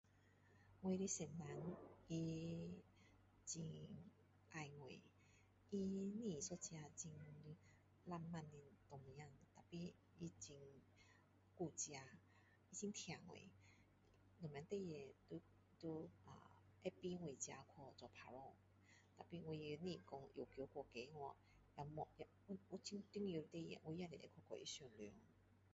我的先生他很爱我他不是一个很浪漫的男孩子可是他很顾家他很疼我什么事情都都啊会让我自己去做安排可是我不是讲要求过高哦然后没有有很重要的事情也跟他商量